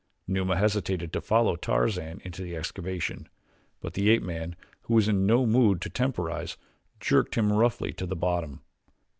Numa hesitated to follow Tarzan into the excavation; but the ape man, who was in no mood to temporize, jerked him roughly to the bottom.